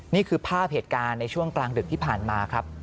นี่คือภาพเหตุการณ์ในช่วงกลางดึกที่ผ่านมาครับ